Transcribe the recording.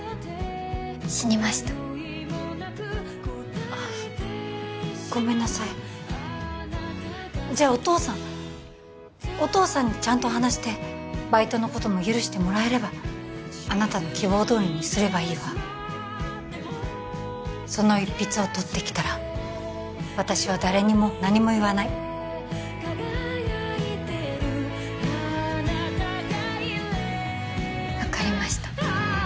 死にましたあっごめんなさいじゃお父さんお父さんにちゃんと話してバイトのことも許してもらえればあなたの希望どおりにすればいいわその一筆を取ってきたら私は誰にも何も言わない分かりました